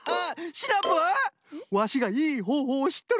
シナプーワシがいいほうほうをしっとるんじゃ！